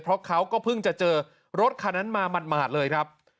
เพราะเขาก็เพิ่งจะเจอรถคันนั้นมาหมาดเลยครับ